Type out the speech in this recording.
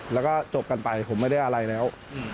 แล้วก็จบกันไปผมไม่ได้อะไรแล้ว